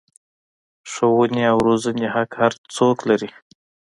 ښوونې او روزنې حق هر څوک لري.